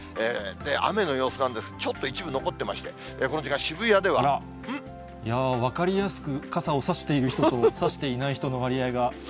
雨の様子なんです、ちょっと一部残ってまして、この時間、渋谷で分かりやすく、傘を差している人と差していない人の割合が。